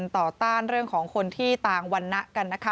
ต่อต้านเรื่องของคนที่ต่างวันนะกัน